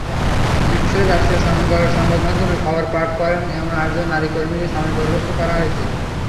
মিসরে রাষ্ট্রীয় সংবাদমাধ্যমে খবর পাঠ করেন—এমন আটজন নারী কর্মীকে সাময়িক বরখাস্ত করা হয়েছে।